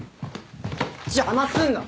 邪魔すんな。